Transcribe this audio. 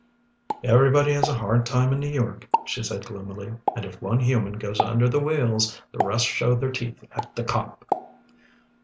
"Everybody has a hard time in New York," she said gloomily, "and if one human goes under the wheels, the rest show their teeth at the cop."